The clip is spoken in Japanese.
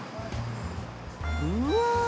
うわ！